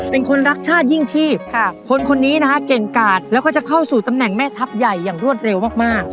เป็นคนรักชาติยิ่งชีพคนคนนี้นะฮะเก่งกาดแล้วก็จะเข้าสู่ตำแหน่งแม่ทัพใหญ่อย่างรวดเร็วมาก